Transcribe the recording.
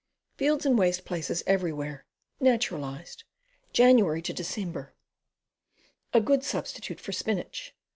Fields and waste places everywhere. Naturalized. Jan. Dec. A good substitute for spinach.